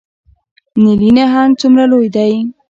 نیلي نهنګ څومره لوی دی؟